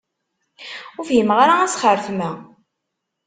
Ur fhimeɣ ara asxertem-a.